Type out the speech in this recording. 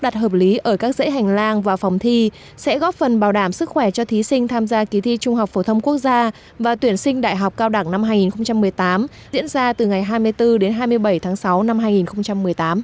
hệ thống cây xanh và phòng thi sẽ góp phần bảo đảm sức khỏe cho thí sinh tham gia ký thi trung học phổ thông quốc gia và tuyển sinh đại học cao đẳng năm hai nghìn một mươi tám diễn ra từ ngày hai mươi bốn đến hai mươi bảy tháng sáu năm hai nghìn một mươi tám